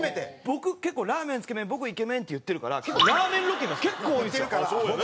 僕結構「ラーメン、つけ麺、僕イケメン！！」って言ってるからラーメンロケが結構多いんですよ。